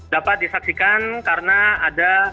dapat disaksikan karena ada